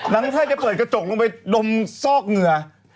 นางค่ะเปิดกระจกลงไปดมซอกเหงือ